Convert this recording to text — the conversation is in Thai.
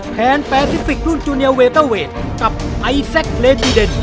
แผนแปซิฟิกรุ่นจูเนียร์เวเตอร์เวทกับไอซักเรดดิเดน